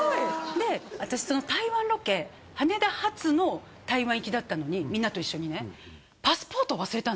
で私その台湾ロケ羽田発の台湾行きだったのにみんなと一緒にね何で？